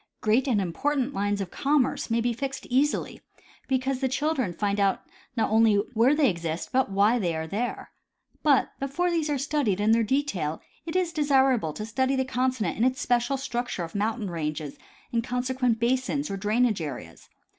Great and important lines of com merce may be fixed easily, because the children find out not only where they exist but why they are there. But before these are studied in their detail it is desirable to study the continent in its special structure of mountain ranges and consequent basins or drainage areas.